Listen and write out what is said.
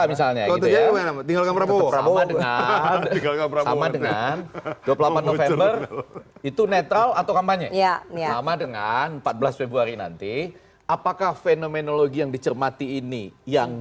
itu netral atau sama dengan empat belas februari nanti apakah fenomenologi yang dicermati ini yang